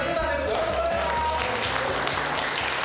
よろしくお願いします。